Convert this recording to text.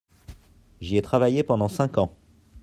J’y ai travaillé pendant cinq ans.